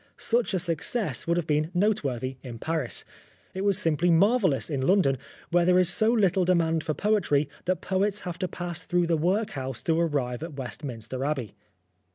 Such a success would have been noteworthy in Paris. It was simply marvellous in London, where there is so little demand for poetry that poets have to pass through the workhouse to arrive at West minster Abbey.